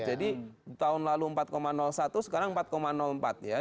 jadi tahun lalu empat satu sekarang empat empat ya